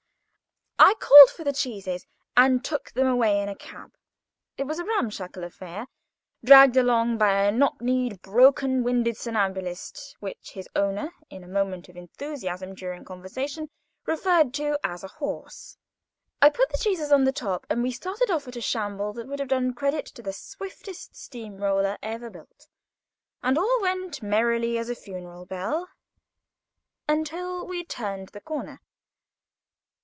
I called for the cheeses, and took them away in a cab. It was a ramshackle affair, dragged along by a knock kneed, broken winded somnambulist, which his owner, in a moment of enthusiasm, during conversation, referred to as a horse. I put the cheeses on the top, and we started off at a shamble that would have done credit to the swiftest steam roller ever built, and all went merry as a funeral bell, until we turned the corner.